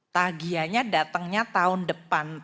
tagihannya datangnya tahun depan